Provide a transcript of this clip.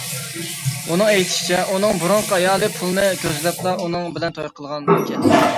ئۇنىڭ ئېيتىشىچە، ئۇنىڭ بۇرۇنقى ئايالى پۇلنى كۆزلەپلا ئۇنىڭ بىلەن توي قىلغانكەن.